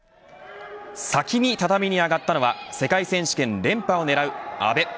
先に畳に上がったのは世界選手権連覇をねらう阿部。